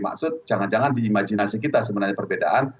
maksud jangan jangan di imajinasi kita sebenarnya perbedaan